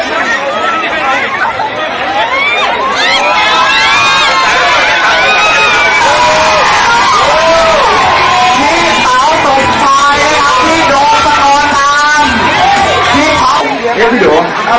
พี่สาวตกท้ายนะครับ